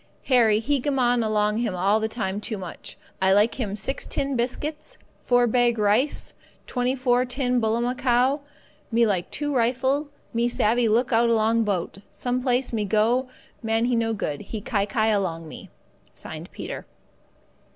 "Harry he gammon along him all the time too much. I like him 6 tin biscuit, 4 bag rice, 24 tin bullamacow. Me like him 2 rifle, me savvee look out along boat, some place me go man he no good, he kai kai along me. "Peter."